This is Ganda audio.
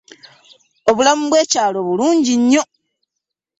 Obulamu bwe kyalo bulungi nnyo.